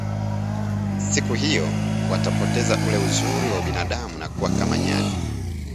siku hiyo watapoteza ule uzuri wa ubinadamu na kuwa kama nyani